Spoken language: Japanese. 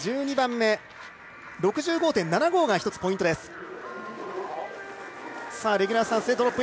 １２番目は６５．７５が１つのポイントです。